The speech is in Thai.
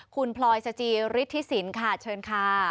คุณพลอยสจิฤทธิสินค่ะเชิญค่ะ